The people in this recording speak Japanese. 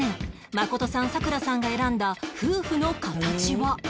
誠さんさくらさんが選んだ夫婦のカタチは？